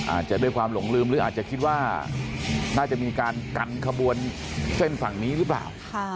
อาจจะด้วยความหลงลืมหรืออาจจะคิดว่าน่าจะมีการกันขบวนเส้นฝั่งนี้หรือเปล่า